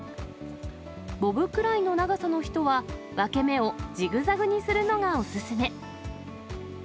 ボブくらいの長さの人は、分け目をジグザグにするのがお勧め。